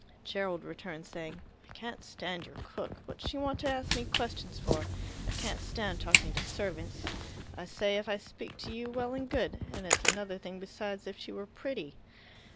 Gerald returned, saying, "I can't stand your cook. What's she want to ask me questions for? I can't stand talking to servants. I say, 'If I speak to you, well and good' and it's another thing besides if she were pretty."